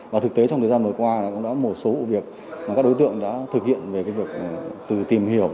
và thực tế trong thời gian nổi qua cũng đã một số việc mà các đối tượng đã thực hiện về cái việc